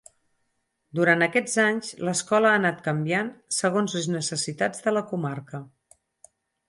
Durant aquests anys l'escola ha anat canviant segons les necessitats de la comarca.